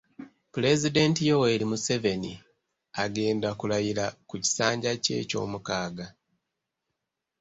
Pulezidenti Yoweri Museveni agenda kulayira ku kisanja kye ekyomukaaga.